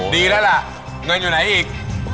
ดีแล้วล่ะเงินอยู่ไหนอีก